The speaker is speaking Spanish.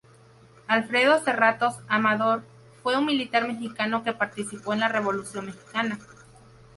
Alfredo Serratos Amador fue un militar mexicano que participó en la Revolución mexicana.